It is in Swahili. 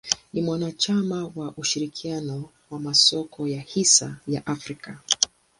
Ni mwanachama wa ushirikiano wa masoko ya hisa ya Afrika.